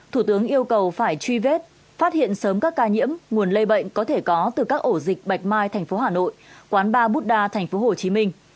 thủ tướng yêu cầu phải truy vết phát hiện sớm các ca nhiễm nguồn lây bệnh có thể có từ các ổ dịch bạch mai thành phố hà nội quán ba bút đa thành phố hồ chí minh